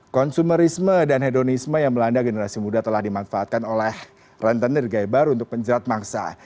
konsumerisme dan hedonisme yang melanda generasi muda telah dimanfaatkan oleh rentenir gaya baru untuk penjerat mangsa